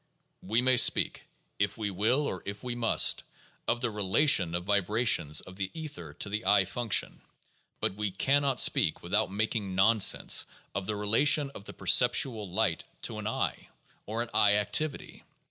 We may speak, if we will or if we must, of the relation of vibrations of the ether to the eye function; but we can not speak, without making nonsense, of the relation of the perceptual light to an eye, or an eye activity.